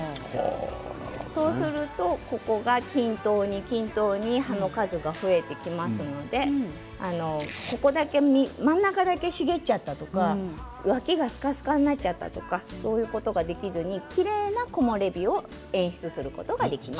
そうすれば均等に均等に葉の数が増えていきますので真ん中だけ茂っちゃったとか脇がすかすかになっちゃったとかそういうことができずにきれいな木漏れ日を演出することができます。